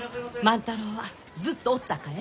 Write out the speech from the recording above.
万太郎はずっとおったかえ？